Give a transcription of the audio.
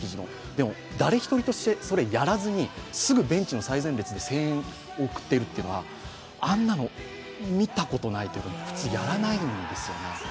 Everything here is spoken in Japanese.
でも、誰一人として、それ、やらずにベンチの最前列で声援を送っているというのは、あんなの見たことないというか普通やらないんですよね。